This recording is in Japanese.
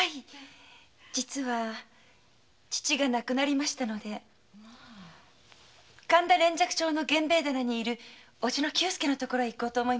実は父が亡くなりましたので神田連雀町の源兵衛店にいる伯父の久助の所へ行こうと。